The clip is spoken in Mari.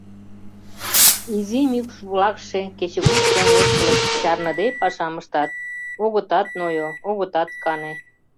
Изи мӱкш-влакше кечыгут чоҥештылыт, чарныде пашам ыштат: огытат нойо, огытат кане.